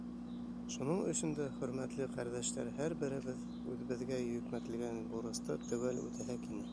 Шуның өсөн дә, хөрмәтле ҡәрҙәштәр, һәр беребеҙ үҙебеҙгә йөкмәтелгән бурысты теүәл үтәһәк ине.